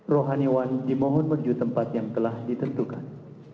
rohanewan dimohon berju tempat yang telah ditentukan